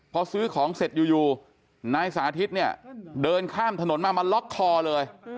พอซื้อของเสร็จอยู่นายสาธิตเนี่ยเดินข้ามถนนมามาล็อกคอเลย